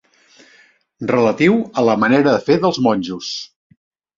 Relatiu a la manera de fer dels monjos.